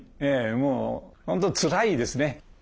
もう本当つらいですね。